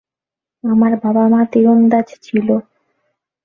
আমার বাবা-মা তীরন্দাজ ছিল।